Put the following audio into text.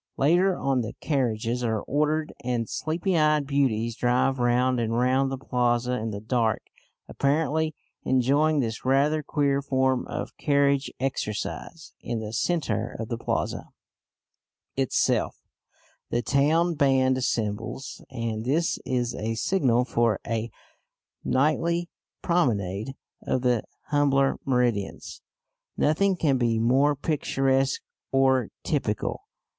Later on the carriages are ordered, and sleepy eyed beauties drive round and round the plaza in the dark, apparently enjoying this rather queer form of carriage exercise. In the centre of the plaza itself the town band assembles, and this is a signal for a nightly promenade of the humbler Meridians. Nothing can be more picturesque or typical.